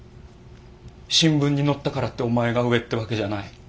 新聞に載ったからってお前が上ってわけじゃない。